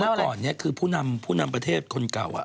เมื่อก่อนนี้คือผู้นำผู้นำประเทศคนเก่า